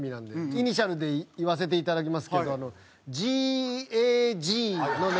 イニシャルで言わせていただきますけどＧＡＧのネタで。